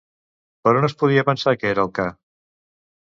Per on es podia pensar que era el ca?